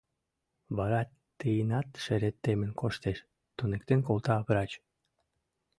Вара тыйынат шерет темын коштеш», — туныктен колта врач.